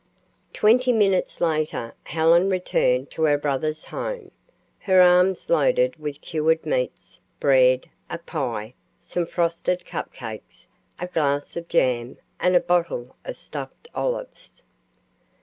Twenty minutes later Helen returned to her brother's home, her arms loaded with cured meats, bread, a pie, some frosted cup cakes, a glass of jam, and a bottle of stuffed olives.